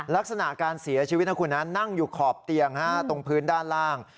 ลักษณะการเสียชีวิตนะคุณนะนั่งอยู่ขอบเตียงตรงพื้นด้านล่าง